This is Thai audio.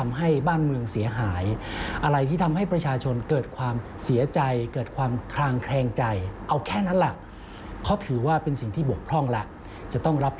ไม่เฉพาะแค่กฎหมายเท่านั้น